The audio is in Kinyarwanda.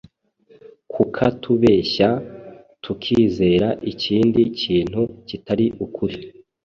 kukatubeshya tukizera ikindi kintu kitari ukuri.